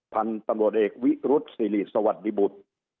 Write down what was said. พันธุ์ตำรวจเอกวิรุษศิริสวัสดิบุตร